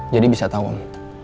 jadi bisa tahu om